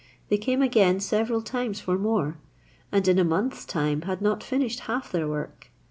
They came again several times for more, and in a month's time had not finished half their work.